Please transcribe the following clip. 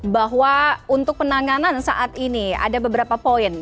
bahwa untuk penanganan saat ini ada beberapa poin